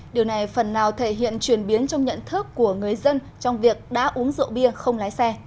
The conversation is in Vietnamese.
điều này phần nào thể hiện chuyển biến trong nhận thức của người dân trong việc đã uống rượu bia không lái xe